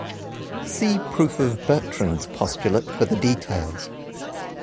See proof of Bertrand's postulate for the details.